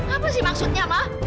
apa sih maksudnya ma